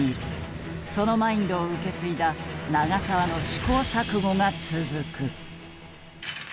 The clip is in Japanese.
そのマインドを受け継いだ長澤の試行錯誤が続く。